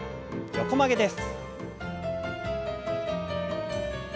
横曲げです。